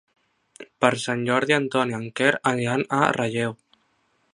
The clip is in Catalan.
Per Sant Jordi en Ton i en Quer aniran a Relleu.